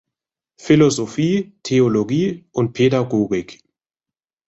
Philosophie, Theologie und Pädagogik.